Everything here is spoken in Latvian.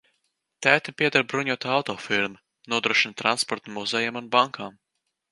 Tētim pieder bruņoto auto firma, nodrošina transportu muzejiem un bankām.